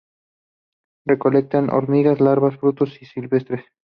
Recolectan hormigas, larvas y frutos silvestres.